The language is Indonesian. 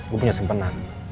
gue punya sempena